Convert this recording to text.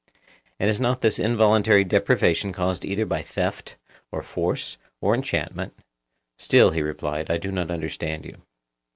And is not this involuntary deprivation caused either by theft, or force, or enchantment? Still, he replied, I do not understand you.